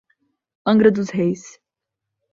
Angra Dos Reis